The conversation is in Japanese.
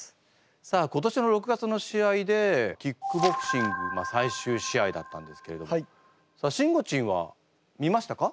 さあ今年の６月の試合でキックボクシング最終試合だったんですけれどもしんごちんは見ましたか？